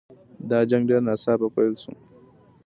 دا جنګ ډېر ناڅاپه پیل شو.